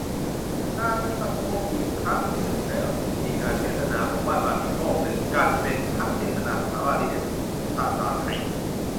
มีการประโคมอีกครั้งหนึ่งแล้วจึงมีการเทศนาโอวาทปาติโมกข์ หนึ่ง กัณฑ์ เป็นทั้งเทศนาภาษาบาลีและภาษาไทย